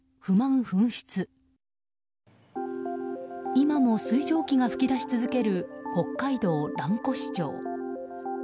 今も水蒸気が噴き出し続ける北海道蘭越町。